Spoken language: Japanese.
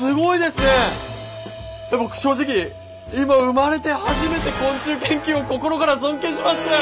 僕正直今生まれて初めて昆虫研究を心から尊敬しましたよ！